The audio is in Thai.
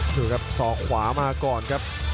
ดูครับศอกขวามาก่อนครับ